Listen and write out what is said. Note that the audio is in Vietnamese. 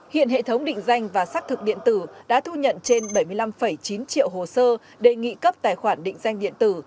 hiện hệ thống định danh và xác thực điện tử đã thu nhận trên bảy mươi năm chín triệu hồ sơ đề nghị cấp tài khoản định danh điện tử